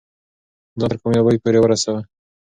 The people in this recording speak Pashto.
ځان تر کامیابۍ پورې ورسوه.